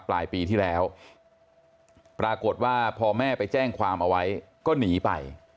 ปลายปีที่แล้วปรากฏว่าพอแม่ไปแจ้งความเอาไว้ก็หนีไป